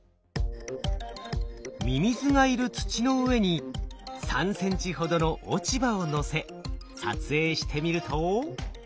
ミミズがいる土の上に３センチほどの落ち葉を載せ撮影してみると。